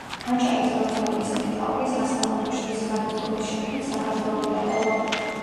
აჭარის ავტონომიის მეთაურის, ასლან აბაშიძის გადადგომის შემდეგ საქართველო დატოვა.